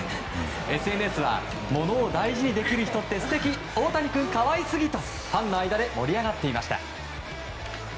ＳＮＳは物を大事にできる人って素敵大谷君、可愛すぎとファンの間で盛り上がっていました。